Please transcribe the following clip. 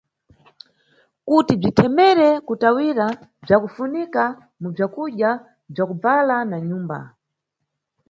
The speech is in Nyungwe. Kuti bzithemere kutawira bzakufunika mu bzakudya, bzakubvala na nyumba.